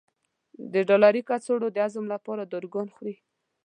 د ډالري کڅوړو د هضم لپاره داروګان خوري.